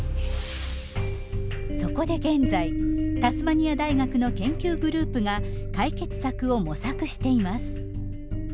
そこで現在タスマニア大学の研究グループが解決策を模索しています。